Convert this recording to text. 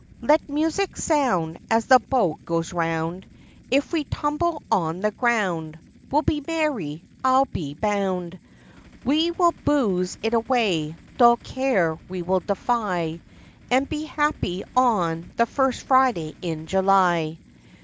Cho. Let music sound as the boat goes round, If we tumble on the ground, we'll be merry, I'll be bound; We will booze it away, dull care we will defy, And be happy on the first Friday in July.